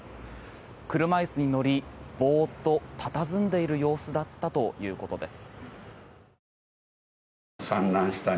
車椅子に乗りボーッと佇んでいる様子だったということです。